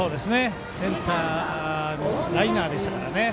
センターライナーでしたからね。